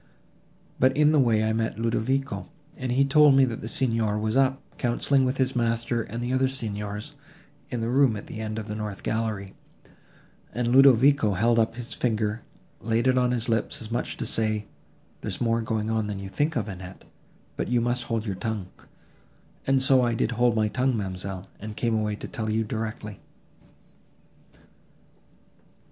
But in the way I met Ludovico, and he told me that the Signor was up, counselling with his master and the other Signors, in the room at the end of the north gallery; and Ludovico held up his finger, and laid it on his lips, as much as to say—There is more going on, than you think of, Annette, but you must hold your tongue. And so I did hold my tongue, ma'amselle, and came away to tell you directly."